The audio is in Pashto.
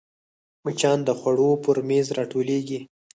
مچان د خوړو پر میز راټولېږي